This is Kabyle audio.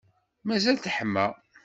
Mazal teḥma.